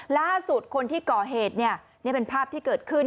ล่าสุดคนที่ก่อเหตุเนี่ยนี่เป็นภาพที่เกิดขึ้น